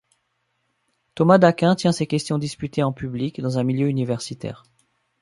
Thomas d'Aquin tient ses questions disputées en public, dans un milieu universitaire.